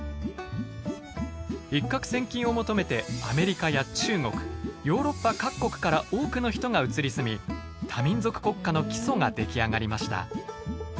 一獲千金を求めてアメリカや中国ヨーロッパ各国から多くの人が移り住み多民族国家の基礎が出来上がりました。